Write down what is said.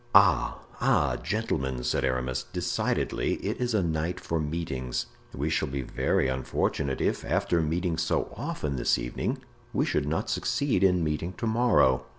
"Ah! ah! gentlemen," said Aramis, "decidedly it is a night for meetings. We shall be very unfortunate if, after meeting so often this evening, we should not succeed in meeting to morrow."